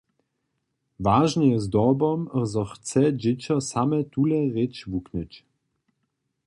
Wažne je zdobom, zo chce dźěćo same tule rěč wuknyć.